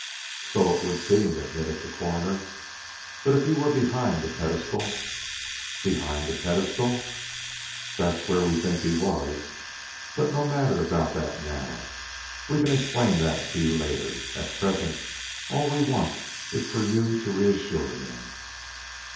"So it would seem," admitted the Coroner. "But if he were behind the pedestal " "Behind the pedestal!" "That's where we think he was. But no matter about that now! we can explain that to you later. At present all we want is for you to reassure him."